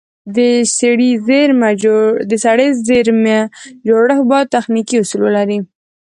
د سړې زېرمه جوړښت باید تخنیکي اصول ولري.